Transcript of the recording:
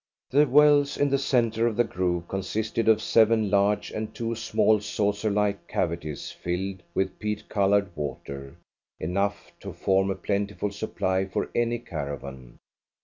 The wells in the centre of the grove consisted of seven large and two small saucer like cavities filled with peat coloured water, enough to form a plentiful supply for any caravan.